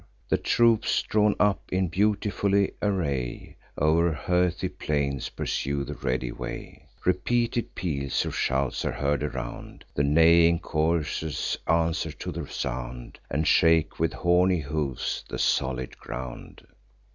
The troops, drawn up in beautiful array, O'er heathy plains pursue the ready way. Repeated peals of shouts are heard around; The neighing coursers answer to the sound, And shake with horny hoofs the solid ground.